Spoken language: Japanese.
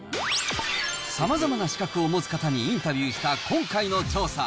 さまざまな資格を持つ方にインタビューした今回の調査。